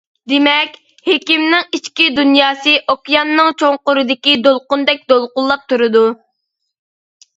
دېمەك، ھېكىمنىڭ ئىچكى دۇنياسى ئوكياننىڭ چوڭقۇرىدىكى دولقۇندەك دولقۇنلاپ تۇرىدۇ.